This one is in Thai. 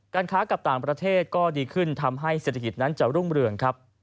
ค้ากับต่างประเทศก็ดีขึ้นทำให้เศรษฐกิจนั้นจะรุ่งเรืองครับ